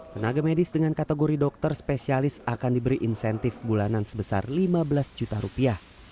tenaga medis dengan kategori dokter spesialis akan diberi insentif bulanan sebesar lima belas juta rupiah